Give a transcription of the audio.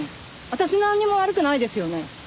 私なんにも悪くないですよね？